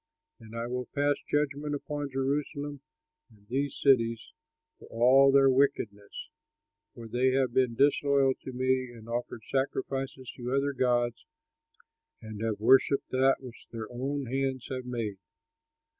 And I will pass judgment upon Jerusalem and these cities for all their wickedness, for they have been disloyal to me and offered sacrifices to other gods and have worshipped that which their own hands have made.